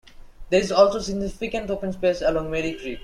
There is also significant open space along Merri Creek.